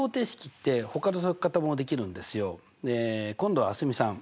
今度は蒼澄さん。